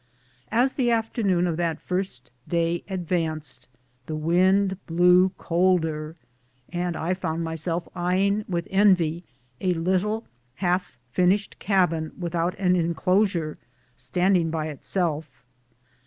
As the after noon of that first day advanced the wind blew colder, and I found myself eying with envy a little half fin ished cabin without an enclosure, standing by itself.